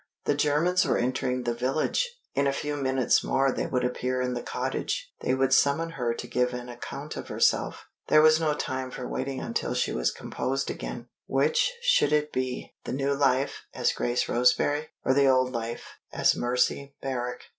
The Germans were entering the village! In a few minutes more they would appear in the cottage; they would summon her to give an account of herself. There was no time for waiting until she was composed again. Which should it be the new life, as Grace Roseberry? or the old life, as Mercy Merrick?